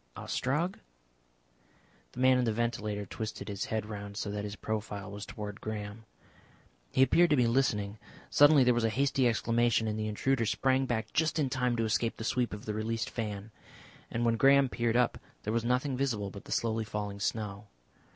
"Ostrog?" The man in the ventilator twisted his head round so that his profile was towards Graham. He appeared to be listening. Suddenly there was a hasty exclamation, and the intruder sprang back just in time to escape the sweep of the released fan. And when Graham peered up there was nothing visible but the slowly falling snow.